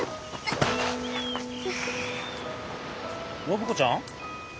暢子ちゃん？